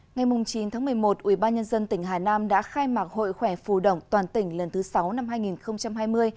ngày chín tháng một mươi một ubnd tỉnh hà nam đã khai mạc hội khỏe phù động toàn tỉnh lần thứ sáu năm hai nghìn hai mươi